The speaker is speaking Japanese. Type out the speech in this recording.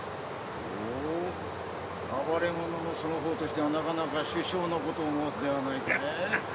ほう暴れ者のその方としては殊勝なことを申すではないか。